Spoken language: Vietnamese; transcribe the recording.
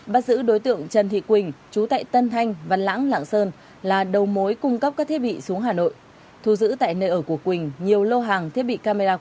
bắt giữ đối tượng trần thị quỳnh chú tại tân thanh văn lãng lạng sơn là đầu mối cung cấp các thiết bị xuống hà nội